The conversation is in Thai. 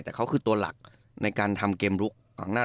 แต่เขาคือตัวหลักในการทำเกมลุกอำนาจ